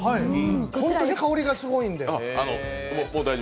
本当に香りがすごいんで。